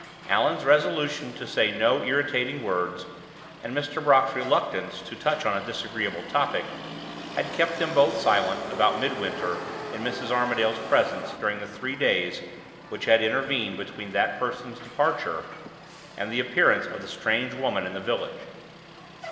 Allan's resolution to say no irritating words, and Mr. Brock's reluctance to touch on a disagreeable topic, had kept them both silent about Midwinter in Mrs. Armadale's presence during the three days which had intervened between that person's departure and the appearance of the strange woman in the village.